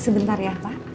sebentar ya pak